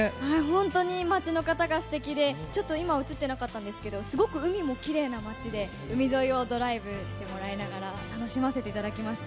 本当に町の方がすてきで、ちょっと今映ってなかったんですけど、すごく海もきれいな町で、海沿いをドライブをしてもらいながら、楽しませていただきました。